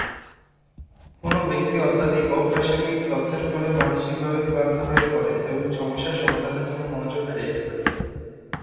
কোনো ব্যক্তি অত্যধিক অপ্রাসঙ্গিক তথ্যের ফলে মানসিকভাবে ক্লান্ত হয়ে পড়ে এবং সমস্যার সমাধানের জন্য মনোযোগ হারিয়ে ফেলে।